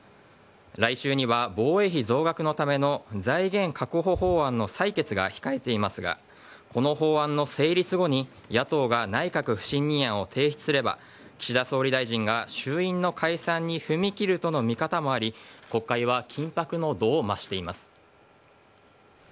来週には防衛費増額のための財源確保法案の採決が控えていますがこの法案の成立後に野党が内閣不信任案を提出すれば岸田総理大臣が衆院の解散に踏み切るとの見方もあり国会は緊迫の度を増しています。